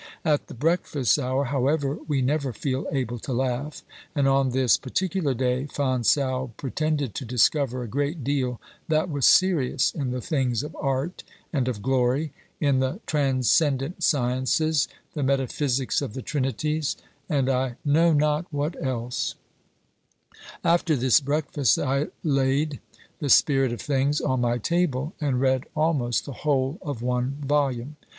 At the breakfast hour, however, we never feel able to laugh, and on this par ticular day Fonsalbe pretended to discover a great deal that was serious in the things of art and of glory, in the trans cendent sciences, the metaphysics of the trinities, and I know not what else. 36o OBERMANN After this breakfast I laid " The Spirit of Things " on my table and read almost the whole of one volume.